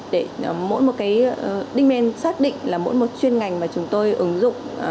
để mỗi một cái demen xác định là mỗi một chuyên ngành mà chúng tôi ứng dụng